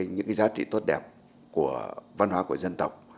những giá trị tốt đẹp của văn hóa của dân tộc